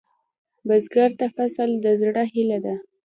بزګر ته فصل د زړۀ هيله ده